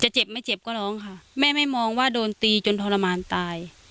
เจ็บไม่เจ็บก็ร้องค่ะแม่ไม่มองว่าโดนตีจนทรมานตาย